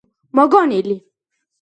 მოგონილი